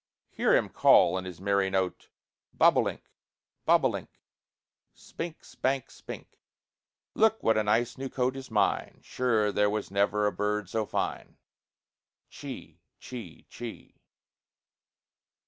Hear him call in his merry note: Bob o' link, bob o' link, Spink, spank, spink; Look what a nice new coat is mine, Sure there was never a bird so fine. Chee, chee, chee.